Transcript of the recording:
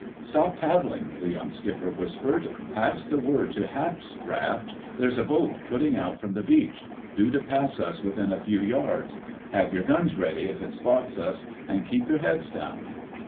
"Stop paddling!" the young skipper whispered. "Pass the word to Hap's raft.... There's a boat putting out from the beach—due to pass us within a few yards. Have your guns ready if it spots us, and keep your heads down."